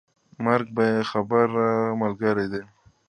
مرګ بې خبره ملګری دی.